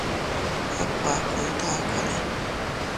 A kuakun takare.